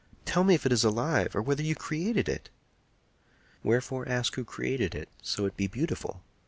"Tell me if it be alive, or whether you created it." "Wherefore ask who created it, so it be beautiful?"